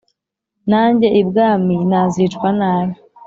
nanjye ibwami nazicwa nabi"